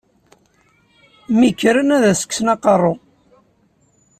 Mi kren ad as-kksen aqerru!